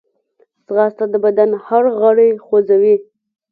ځغاسته د بدن هر غړی خوځوي